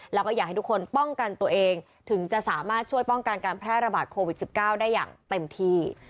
แล้วก็อยากให้ทุกคนป้องกันตัวเองถึงจะสามารถช่วยป้องกันการแพร่ระบาดโควิด๑๙ได้อย่างเต็มที่